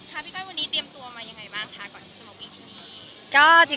พี่ก้อยวันนี้เตรียมตัวมายังไงบ้างคะก่อนที่จะมาวิ่งที่นี่